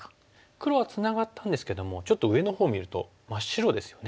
黒はつながったんですけどもちょっと上のほう見ると真っ白ですよね。